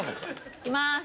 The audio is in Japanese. いきます。